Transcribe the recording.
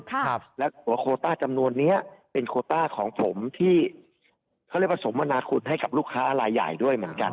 ครับและหัวโคต้าจำนวนเนี้ยเป็นโคต้าของผมที่เขาเรียกว่าสมมนาคุณให้กับลูกค้ารายใหญ่ด้วยเหมือนกัน